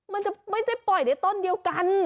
มันจะไม่ได้ปล่อยในต้นเดียวกัน